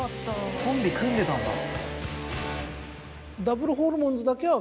コンビ組んでたんだ。